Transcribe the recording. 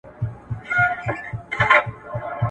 تاسو بايد د هرې ګټورې ليکنې په لوستلو سره خپل شعور پياوړی کړئ.